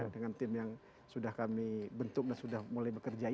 dengan tim yang sudah kami bentuk dan sudah mulai bekerja